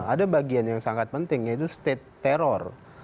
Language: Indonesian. ada bagian yang sangat penting yaitu state terror